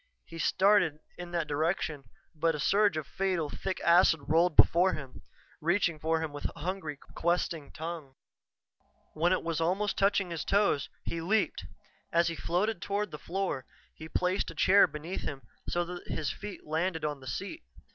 He started in that direction, but a surge of fatal, thick acid rolled before him, reaching for him with hungry, questing tongues. When it was almost touching his toes, he leaped. As he floated toward the floor, he placed a chair beneath him so that his feet landed on the seat.